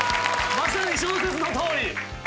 まさに小説のとおり。